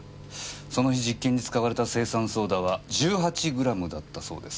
その日実験に使われた青酸ソーダは１８グラムだったそうです。